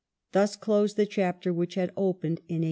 Thus closed the chapter which had opened in 1882.